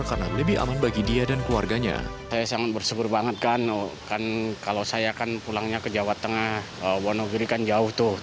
karena lebih aman bagi dia dan keluarganya